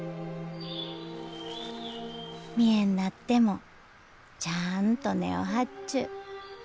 見えんなってもちゃあんと根を張っちゅう。